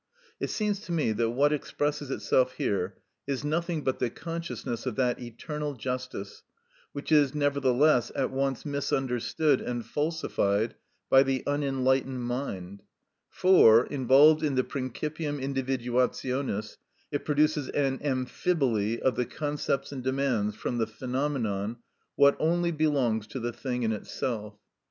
It seems to me that what expresses itself here is nothing but the consciousness of that eternal justice, which is, nevertheless, at once misunderstood and falsified by the unenlightened mind, for, involved in the principium individuationis, it produces an amphiboly of the concepts and demands from the phenomenon what only belongs to the thing in itself.